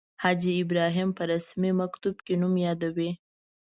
حاجي ابراهیم په رسمي مکتوب کې نوم یادوي.